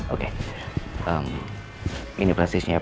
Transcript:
oke ini presisnya ya pak